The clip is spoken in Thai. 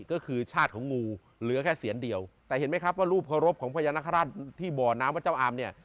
ก็คือชาติของงูเหลือแค่เสียนเดียวแต่เห็นไหมครับว่ารูปเคารพของพญานาคาราชที่บ่อน้ำวัดเจ้าอามเนี่ย